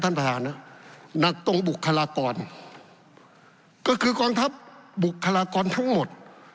ท่านประธานนะหนักตรงบุคลากรก็คือกองทัพบุคลากรทั้งหมด